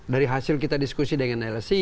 dari hasil kita diskusi dengan lsi